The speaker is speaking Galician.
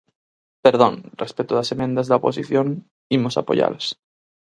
Perdón, respecto das emendas da oposición, imos apoialas.